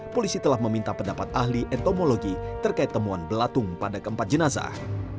polisi telah meminta pendapat ahli etomologi terkait temuan belatung pada keempat jenazah